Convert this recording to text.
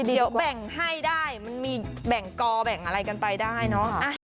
เดี๋ยวแบ่งให้ได้มันมีแบ่งกอแบ่งอะไรกันไปได้เนอะ